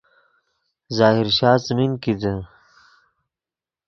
ظاہر شاہ څیمین کیتے